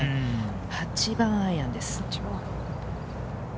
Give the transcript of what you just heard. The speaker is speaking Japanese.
８番アイアンです。